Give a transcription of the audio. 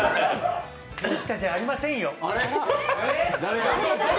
森下じゃありませんよ。